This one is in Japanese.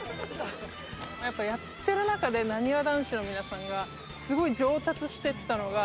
やっぱやってる中でなにわ男子の皆さんがすごい上達していったのが。